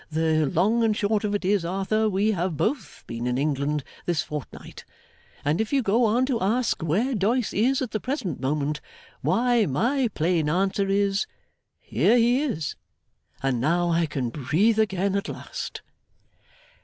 The long and short of it is, Arthur, we have both been in England this fortnight. And if you go on to ask where Doyce is at the present moment, why, my plain answer is here he is! And now I can breathe again at last!